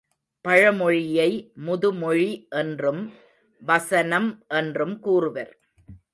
பழமொழியை முதுமொழி என்றும் வசனம் என்றும் கூறுவர்.